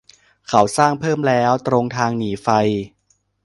เขาสร้างเพิ่มแล้ว ตรงทางหนีไฟ